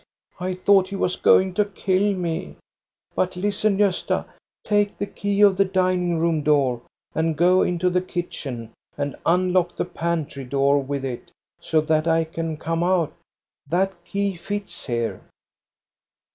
I thought he was going to kill me. But listen, Gosta, take the key of the dining room door, and go into the kitchen and unlock the pantry door with it, so that I can come out That key fits here."